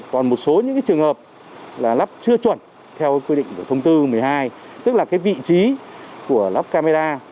còn một số trường hợp lắp chưa chuẩn theo quy định thông tư một mươi hai tức là vị trí của lắp camera